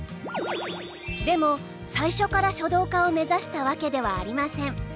でも最初から書道家を目指したわけではありません。